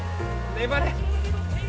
粘れ！